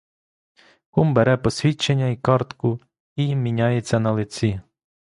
Кум бере посвідчення й картку й міняється на лиці.